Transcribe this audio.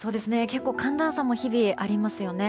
結構、寒暖差も日々ありますよね。